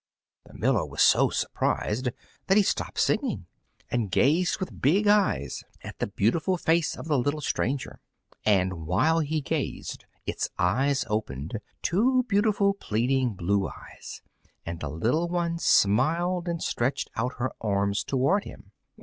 The miller was so surprised that he stopped singing and gazed with big eyes at the beautiful face of the little stranger. And while he gazed its eyes opened two beautiful, pleading blue eyes, and the little one smiled and stretched out her arms toward him.